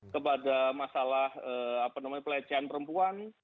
kepada masalah pelecehan perempuan